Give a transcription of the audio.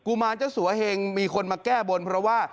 มารเจ้าสัวเหงมีคนมาแก้บนเพราะว่า